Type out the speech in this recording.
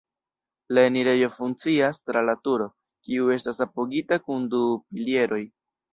La enirejo funkcias tra la turo, kiu estas apogita kun du pilieroj.